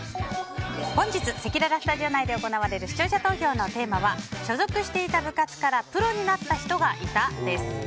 本日せきららスタジオ内で行われる視聴者投票のテーマは所属していた部活からプロになった人がいた？です。